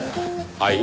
はい？